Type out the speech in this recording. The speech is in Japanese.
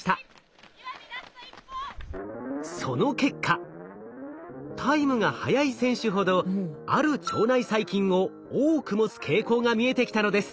その結果タイムが速い選手ほどある腸内細菌を多く持つ傾向が見えてきたのです。